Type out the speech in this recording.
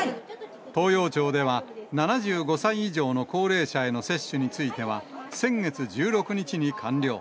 東洋町では、７５歳以上の高齢者への接種については、先月１６日に完了。